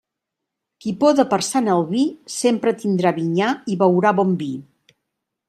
Qui poda per Sant Albí sempre tindrà vinyar i beurà bon vi.